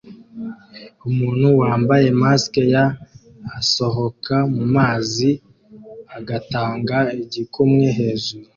Umuntu wambaye mask ya asohoka mumazi agatanga igikumwe-hejuru